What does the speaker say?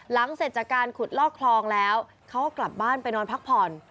หลังจากการขุดลอกคลองแล้วเขาก็กลับบ้านไปนอนพักผ่อน